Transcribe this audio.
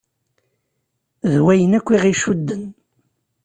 D wayen akk i ɣ-icudden.